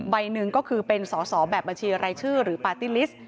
ใบหนึ่งก็คือเป็นสอสอแบบบัญชีรายชื่อหรือปาร์ตี้ลิสต์